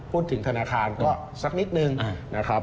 พูดถึงธนาคารก็สักนิดหนึ่งนะครับ